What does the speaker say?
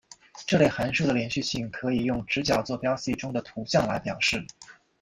这类函数的连续性可以用直角坐标系中的图像来表示。